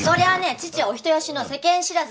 父はお人よしの世間知らずです。